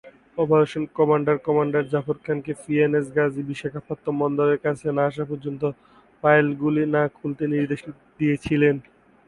Operation commander commander Zafar খানকে PNS Ghazi Visakhapatnam বন্দরের কাছে না আসা পর্যন্ত ফাইলগুলি না খুলতে নির্দেশ দিয়েছিলেন।